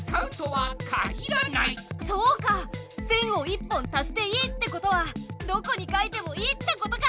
線を１本足していいってことはどこに書いてもいいってことか！